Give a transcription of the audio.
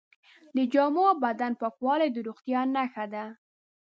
د جامو او بدن پاکوالی د روغتیا نښه ده.